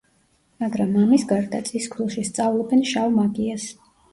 მაგრამ ამის გარდა, წისქვილში სწავლობენ შავ მაგიას.